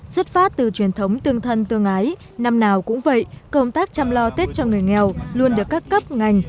xuất phát từ truyền thống tương thân tương ái năm nào cũng vậy công tác chăm lo tết cho người nghèo luôn được các cấp ngành